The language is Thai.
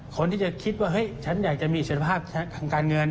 คนที่จะคิดว่าเฮ้ยฉันอยากจะมีเสร็จภาพทางการเงิน